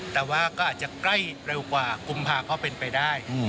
แต่ว่าก็อาจจะใกล้เร็วกว่ากุมภาก็เป็นไปได้